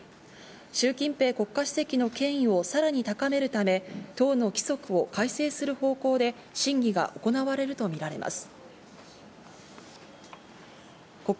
シュウ・キンペイ国家主席の権威をさらに高めるため党の規則を改正する方向で審議が行われるとみられます。